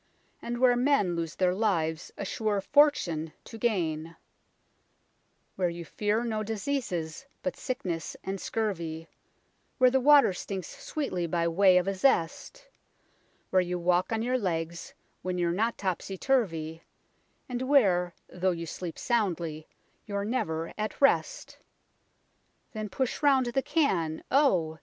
And where men lose their lives a sure fortune to gain ; Where you fear no diseases but sickness and scurvy ; Where the water stinks sweetly by way of a zest ; Where you walk on your legs when you're not topsy turvy ; And where, though you sleep soundly, you're never at rest. Then push round the can oh